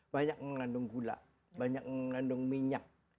banyak yang mengandung gula banyak yang mengandung minyak